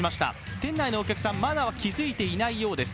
店内のお客さん、まだ気づいていないようです。